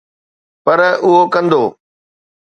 پر اهو ڪندو.